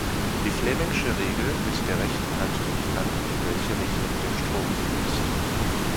Die Fleming'sche Regel mit der rechten Hand gibt an, in welche Richtung der Strom fließt.